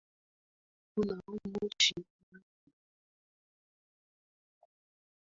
Kuna moshi kwake